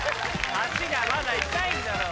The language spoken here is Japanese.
足がまだ痛いんだろ？